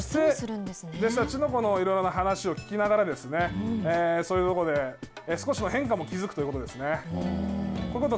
いろいろ話を聞きながらそういうところで少しの変化も気付くということですね。